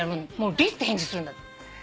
「り」って返事するんだって。